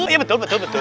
iya betul betul betul